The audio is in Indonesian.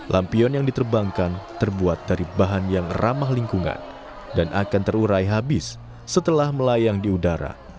lampion yang diterbangkan terbuat dari bahan yang ramah lingkungan dan akan terurai habis setelah melayang di udara